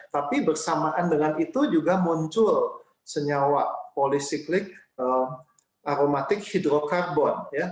tapi bersamaan dengan itu juga muncul senyawa polisiklik aromatik hidrokarbon